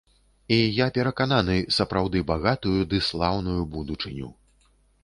І, я перакананы, сапраўды багатую ды слаўную будучыню.